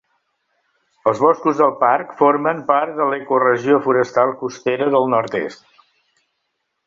Els boscos del parc formen part de l'ecoregió forestal costera del nord-est.